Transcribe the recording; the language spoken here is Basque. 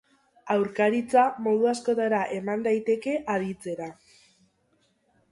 Aurkaritza modu askotara eman daiteke aditzera.